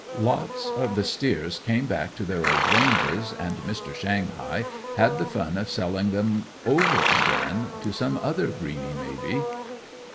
Lots of the steers came back to their old ranges and Mr. "Shanghai" had the fun of selling them over again, to some other greeny, may be.